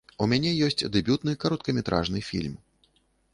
У мяне ёсць дэбютны кароткаметражны фільм.